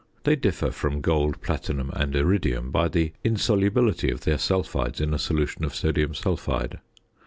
They differ from gold, platinum, and iridium by the insolubility of their sulphides in a solution of sodium sulphide.